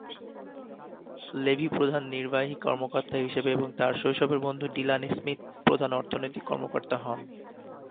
Levy প্রধান নির্বাহী কর্মকর্তা হিসেবে, এবং তার শৈশবের বন্ধু ডিলান স্মিথ প্রধান অর্থনৈতিক কর্মকর্তা হন।